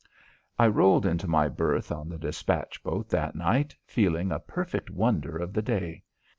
I rolled into my berth on the despatch boat that night feeling a perfect wonder of the day.